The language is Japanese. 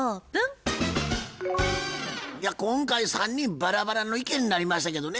いや今回３人バラバラの意見になりましたけどね。